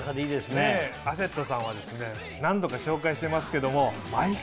ねぇアシェットさんは何度か紹介してますけども。